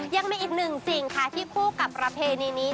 ยังมีอีกหนึ่งสิ่งค่ะที่คู่กับประเพณีนี้